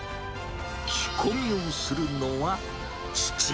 仕込みをするのは父。